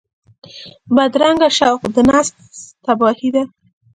بدرنګه شوق د نفس تباهي ده